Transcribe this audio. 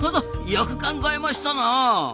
よく考えましたな。